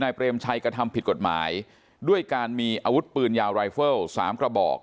เปรมชัยกระทำผิดกฎหมายด้วยการมีอาวุธปืนยาวรายเฟิลสามกระบอก